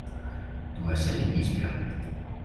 Du er selv en isbjørn